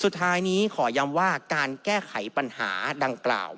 สุดท้ายนี้ขอย้ำว่าการแก้ไขปัญหาดังกล่าว